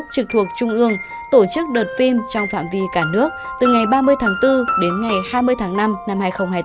trực thuộc trung ương tổ chức đợt phim trong phạm vi cả nước từ ngày ba mươi tháng bốn đến ngày hai mươi tháng năm năm hai nghìn hai mươi bốn